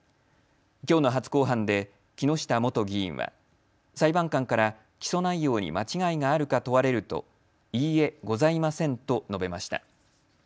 きょうの初公判で、木下元議員は裁判官から起訴内容に間違いがあるか問われるといいえ、ございませんと述べました。